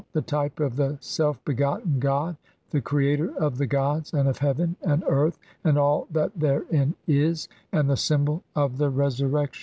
The type of the self begotten god, the creator of the gods and of heaven, and earth, and all that therein is ; and the symbol of the resurrection.